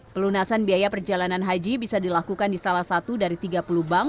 pelunasan biaya perjalanan haji bisa dilakukan di salah satu dari tiga puluh bank